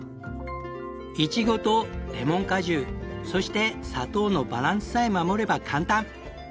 イチゴとレモン果汁そして砂糖のバランスさえ守れば簡単。